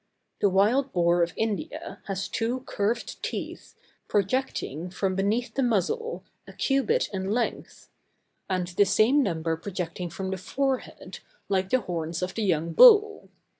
The wild boar of India has two curved teeth, projecting from beneath the muzzle, a cubit in length; and the same number projecting from the forehead, like the horns of the young bull.